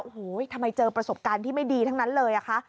โอ้โหทำไมเจอประสบการณ์ที่ไม่ดีทั้งนั้นเลยอะคะ